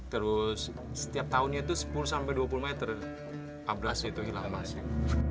terus setiap tahunnya itu sepuluh dua puluh meter abrasi itu hilang masif